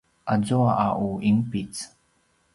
azua a u inpic